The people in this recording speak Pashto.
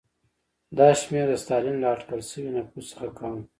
دا شمېر د ستالین له اټکل شوي نفوس څخه کم و.